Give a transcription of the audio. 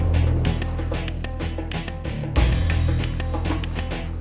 kau akan menguke ir